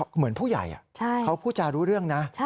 เหมือนผู้ใหญ่เขาพูดจารู้เรื่องนะ